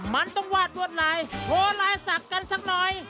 มันต้องวาดรวดลายโทรไลน์ศัพท์กันสักหน่อย